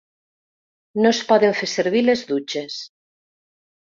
No es poden fer servir les dutxes.